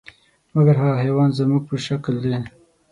مګر هغه حیوان خو زموږ په شکل دی .